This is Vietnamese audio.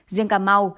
riêng cà mau